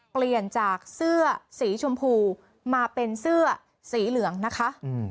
เปลี่ยนจากเสื้อสีชมพูมาเป็นเสื้อสีเหลืองนะคะ